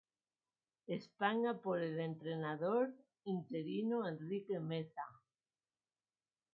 España por el entrenador interino Enrique Meza.